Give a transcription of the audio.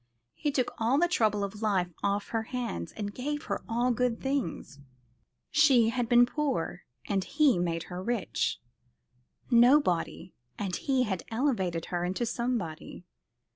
He took all the trouble of life off her hands, and gave her all good things. She had been poor, and he had made her rich; nobody, and he had elevated her into somebody.